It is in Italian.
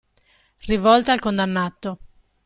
Rivolta al condannato.